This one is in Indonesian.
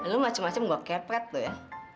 lu macem macem gua kepet tuh ya